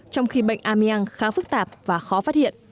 trong khi bệnh amiang khá phức tạp